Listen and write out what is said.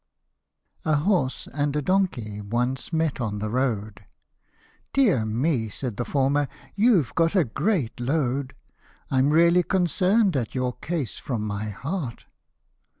A HORSE and a donkey once met on the road :" Dear me !" said the former, "you've got a great load ; I'm really concern'd at your case, from my heart."